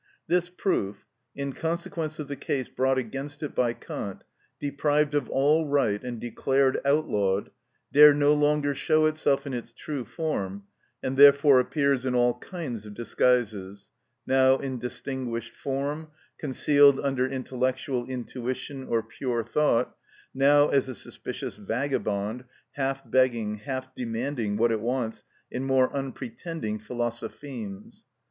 This proof, in consequence of the case brought against it by Kant, deprived of all right and declared outlawed, dare no longer show itself in its true form, and therefore appears in all kinds of disguises—now in distinguished form, concealed under intellectual intuition or pure thought; now as a suspicious vagabond, half begging, half demanding what it wants in more unpretending philosophemes.